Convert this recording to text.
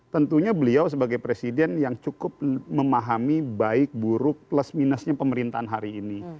tentunya beliau sebagai presiden yang cukup memahami baik buruk plus minusnya pemerintahan hari ini